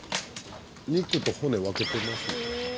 肉と骨分けてますね。